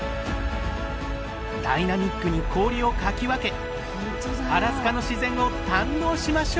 ダイナミックに氷をかき分けアラスカの自然を堪能しましょう！